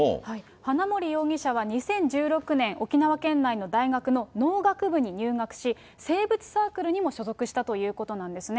花森容疑者は２０１６年、沖縄県内の大学の農学部に入学し、生物サークルにも所属したということなんですね。